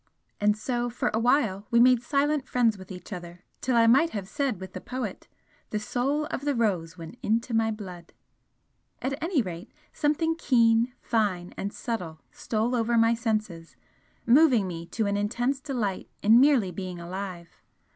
And so for a while we made silent friends with each other till I might have said with the poet 'The soul of the rose went into my blood.' At any rate something keen, fine and subtle stole over my senses, moving me to an intense delight in merely being alive.